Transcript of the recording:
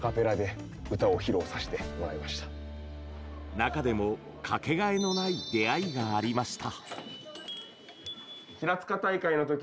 中でも、かけがえのない出会いがありました。